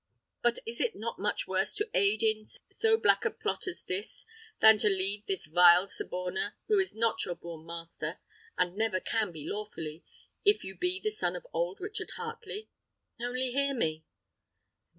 "But is it not much worse to aid in so black a plot as this than to leave this vile suborner, who is not your born master, and never can be lawfully, if you be the son of old Richard Heartley? Only hear me."